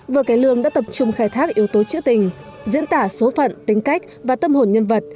vợ cải lương đã tập trung khai thác yếu tố trữ tình diễn tả số phận tính cách và tâm hồn nhân vật